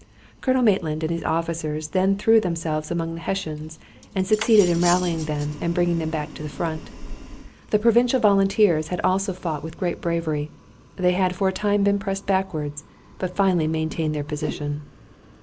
Colonel Maitland and his officers then threw themselves among the Hessians and succeeded in rallying them and bringing them back to the front. The provincial volunteers had also fought with great bravery. They had for a time been pressed backward, but finally maintained their position.